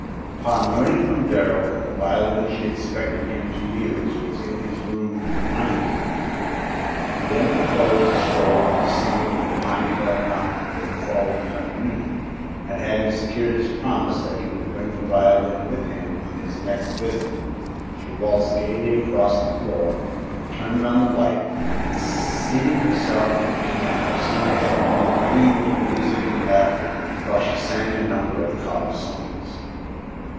Upon learning from Darrell that the violin she expected him to use was in his room at the mining camp, she then proposed a stroll to the summit of the pine clad mountain for the following afternoon, and having secured his promise that he would bring the violin with him on his next visit, she waltzed gayly across the floor, turned on the light, and seating herself at the piano soon had the room ringing with music and laughter while she sang a number of college songs.